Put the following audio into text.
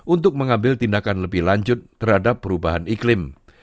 untuk mengambil tindakan lebih lanjut terhadap perubahan iklim